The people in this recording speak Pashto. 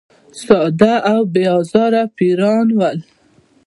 ساده او بې آزاره پیران ول.